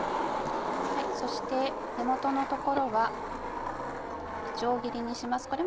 そして根元のところはいちょう切りにします。